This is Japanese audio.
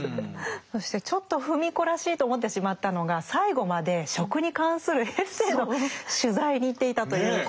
そしてちょっと芙美子らしいと思ってしまったのが最後まで食に関するエッセーの取材に行っていたということ。